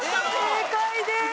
正解です！